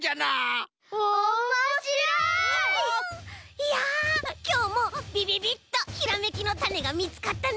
いやきょうもビビビッとひらめきのタネがみつかったね。